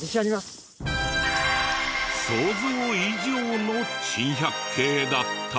想像以上の珍百景だった。